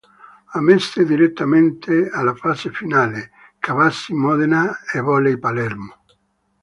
Ammesse direttamente alla fase finale: Cabassi Modena e Volley Palermo.